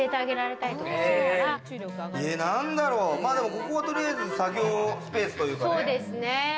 ここは取りあえず作業スペースというかね。